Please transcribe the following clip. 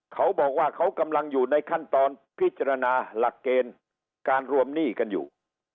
เขาบอกว่าเขากำลังอยู่ในขั้นตอนพิจารณาหลักเกณฑ์การรวมหนี้กันอยู่